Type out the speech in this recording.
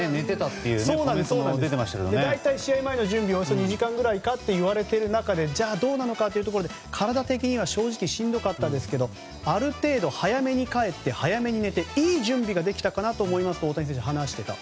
試合前の準備およそ２時間ぐらいといわれる中じゃあどうなのかというところで体的にはしんどかったですけどある程度早めに帰って早めに寝ていい準備ができたかなと思いますと大谷選手は話した。